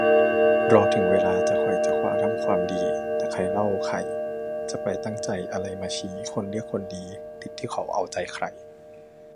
รอถึงเวลาจะไขว่จะคว้าทำความดี แต่ใครเล่าใครจะไปตั้งใจอะไรจะมาชี้ คนเรียกคนดี ติดที่เขาเอาใจใคร